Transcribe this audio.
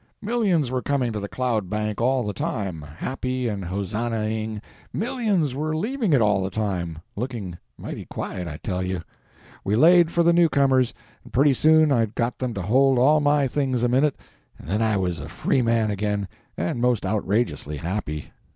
Millions were coming to the cloud bank all the time, happy and hosannahing; millions were leaving it all the time, looking mighty quiet, I tell you. We laid for the new comers, and pretty soon I'd got them to hold all my things a minute, and then I was a free man again and most outrageously happy.